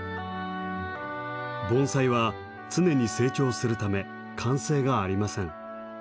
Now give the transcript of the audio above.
盆栽は常に成長するため完成がありません。